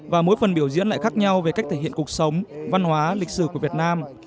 và mỗi phần biểu diễn lại khác nhau về cách thể hiện cuộc sống văn hóa lịch sử của việt nam